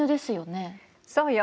そうよ。